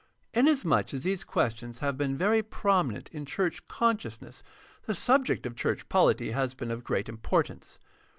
Inasmuch as these questions have been very prominent in church consciousness the subject of church poHty has been of great importance.